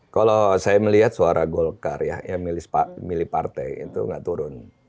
kalau saya melihat suara golkar ya yang milih partai itu nggak turun